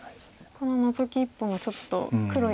このノゾキ１本はちょっと黒に。